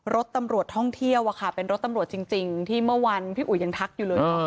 รถตำรวจท่องเที่ยวเป็นรถตำรวจจริงที่เมื่อวานพี่อุ๋ยยังทักอยู่เลย